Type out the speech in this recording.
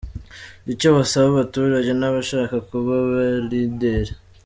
Icyo basaba abaturage n’abashaka kuba Abalideri